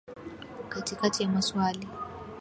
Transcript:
Katikati ya maswali